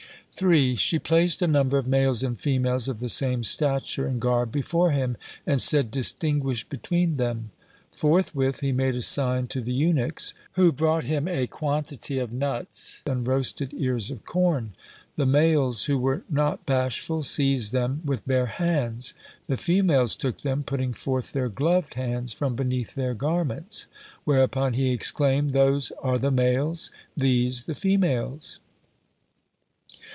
3. She placed a number of males and females of the same stature and garb before him and said: "Distinguish between them." Forthwith he made a sign to the eunuchs, who brought him a quantity of nuts and roasted ears of corn. The males, who were not bashful, seized them with bare hands; the females took them, putting forth their gloved hands from beneath their garments. Whereupon he exclaimed: "Those are the males, these the females."